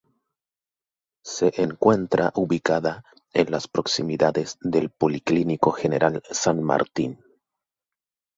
Se encuentra ubicada en las proximidades del Policlínico General San Martín.